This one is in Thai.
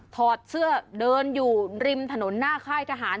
ถอดเสื้อเดินอยู่ริมถนนหน้าค่ายทหาร